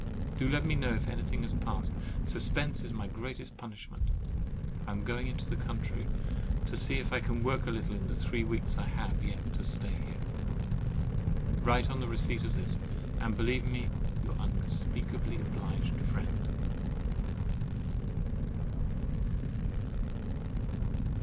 Do let me know if anything has passed: suspense is my greatest punishment. I am going into the country to see if I can work a little in the three weeks I have yet to stay here. Write on the receipt of this, and believe me ever your unspeakably obliged friend.